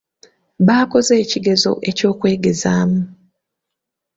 Baakoze ekigezo eky'okwegezaamu.